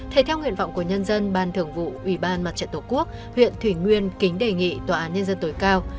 thể theo nguyện vọng của nhân dân ban thường vụ ủy ban mặt trận tổ quốc huyện thủy nguyên kính đề nghị tòa án nhân dân tối cao